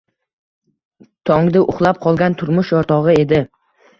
Tongda uxlab qolgan turmush o‘rtog‘I edi.